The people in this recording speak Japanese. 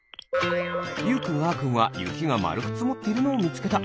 ゆうくん☆あーくんはゆきがまるくつもっているのをみつけた。